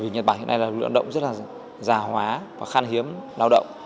nhật bản hiện nay là lực lượng lao động rất là già hóa và khan hiếm lao động